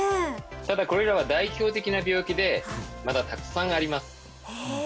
ただこれらは代表的な病気でまだたくさんありますへえ